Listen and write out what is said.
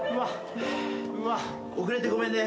遅れてごめんね。